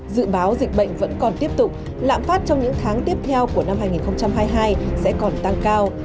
dự báo dịch bệnh vẫn còn tiếp tục lạm phát trong những tháng tiếp theo của năm hai nghìn hai mươi hai sẽ còn tăng cao